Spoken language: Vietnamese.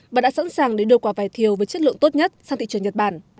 và đã sẵn sàng để đưa quả vải thiều với chất lượng tốt nhất sang thị trường nhật bản